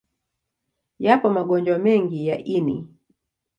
Yapo magonjwa mengi ya ini.